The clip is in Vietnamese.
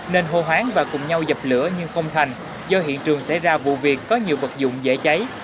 nên hô hoáng và cùng nhau dập lửa nhưng không thành do hiện trường xảy ra vụ việc có nhiều vật dụng dễ cháy